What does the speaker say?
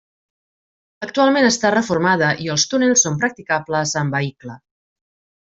Actualment està reformada i els túnels són practicables amb vehicle.